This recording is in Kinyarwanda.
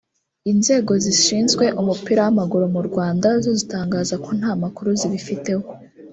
inzego zishinzwe umupira w’amaguru mu Rwanda zo zitangaza ko nta makuru zibifiteho